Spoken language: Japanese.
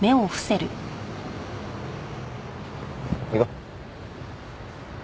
行こう。